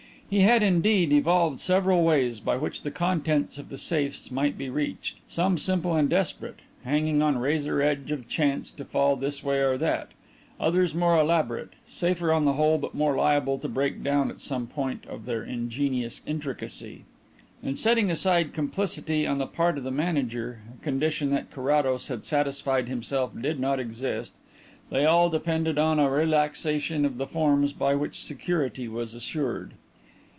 He had, indeed, evolved several ways by which the contents of the safes might be reached, some simple and desperate, hanging on the razor edge of chance to fall this way or that; others more elaborate, safer on the whole, but more liable to break down at some point of their ingenious intricacy. And setting aside complicity on the part of the manager a condition that Carrados had satisfied himself did not exist they all depended on a relaxation of the forms by which security was assured.